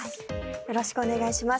よろしくお願いします。